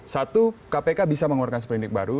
satu kpik bisa mengeluarkan seperlindik baru